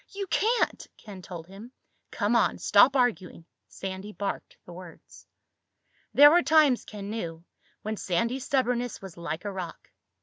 "You can't!" Ken told him. "Come on. Stop arguing." Sandy barked the words. There were times, Ken knew, when Sandy's stubbornness was like a rock.